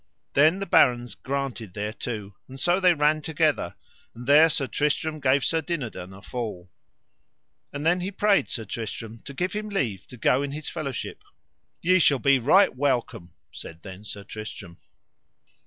Then the barons granted thereto, and so they ran together, and there Sir Tristram gave Sir Dinadan a fall. And then he prayed Sir Tristram to give him leave to go in his fellowship. Ye shall be right welcome, said then Sir Tristram.